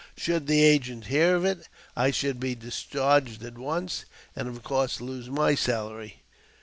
Should the agent hear of it, I should be discharged at once, and, of course, lose my salary."